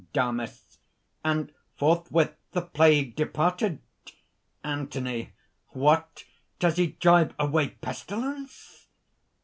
DAMIS. "And forthwith the plague departed." ANTHONY. "What! Does he drive away pestilence?"